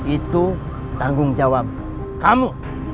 itu tanggung jawab kamu